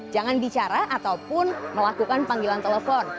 jangan bicara ataupun melakukan panggilan telepon